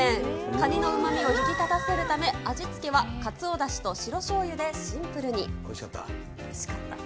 かにのうまみを引き立たせるため、味付けはかつおだしと白しょうゆでシンプルに。